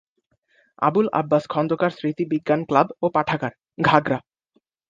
আবুল আব্বাস খন্দকার স্মৃতি বিজ্ঞান ক্লাব ও পাঠাগার, ঘাগড়া।